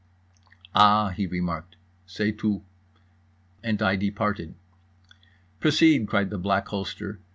"Ah," he remarked. "C'est tout." And I departed. "Proceed!" cried the Black Holster.